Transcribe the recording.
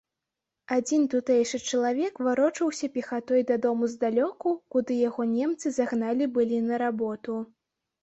Адзін тутэйшы чалавек варочаўся пехатой дадому здалёку, куды яго немцы загналі былі на работу.